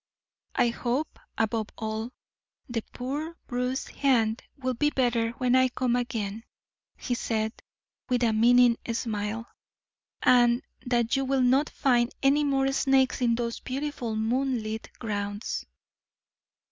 "I hope, above all, the poor, bruised hand will be better when I come again," he said, with a meaning smile, "and that you will not find any more snakes in those beautiful moon lit grounds."